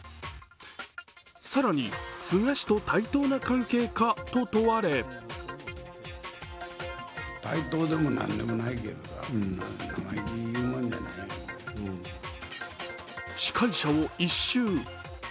更に、菅氏と対等な関係かと問われ司会者を一蹴。